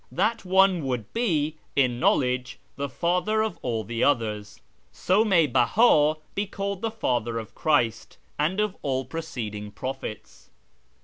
That one would be, in knowledge, the Father of all ihe others. So may Beha be called ' the Father ' of Christ and i )f all preceding prophets."